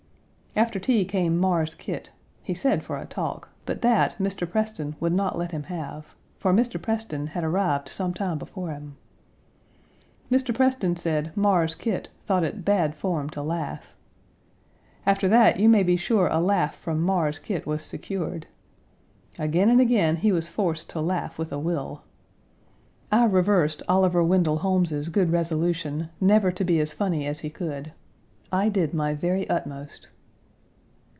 After tea came "Mars Kit" he said for a talk, but that Mr. Preston would not let him have, for Mr. Preston had arrived some time before him. Mr. Preston said "Mars Kit" thought it "bad form" to laugh. After that you may be sure a laugh from "Mars Kit" was secured. Again and again, he was forced to laugh with a will. I reversed Oliver Wendell Holmes's good resolution never to be as funny as he could. I did my very utmost.